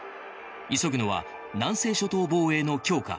急ぐのは南西諸島防衛の強化